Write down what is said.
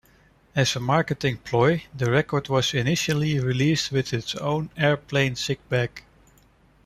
As a marketing ploy the record was initially released with its own airplane sickbag.